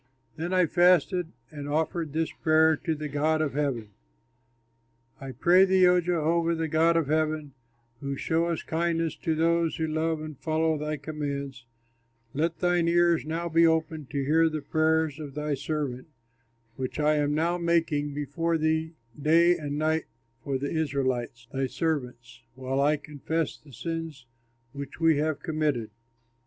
Then I fasted and offered this prayer to the God of heaven, "I pray thee, O Jehovah, the God of heaven, who showest kindness to those who love and follow thy commands, let thine ears now be open to hear the prayers of thy servant which I am now making before thee day and night for the Israelites, thy servants, while I confess the sins which we have committed.